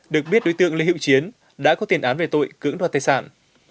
được biết đối tượng lê hữu chiến đã có tiền án về tội cưỡng đoạt tài sản